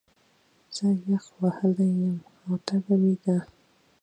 زه يخ وهلی يم، او تبه مې ده